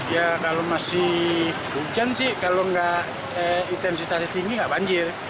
ya kalau masih hujan sih kalau nggak intensitasnya tinggi nggak banjir